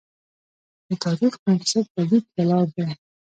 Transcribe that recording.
د تاریخ بنسټ په لیک ولاړ دی.